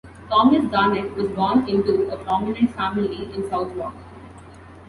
Thomas Garnet was born into a prominent family in Southwark.